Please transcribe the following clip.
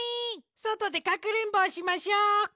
そとでかくれんぼをしましょう。